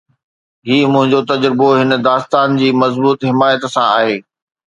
هي منهنجو تجزيو هن داستان جي مضبوط حمايت سان آهي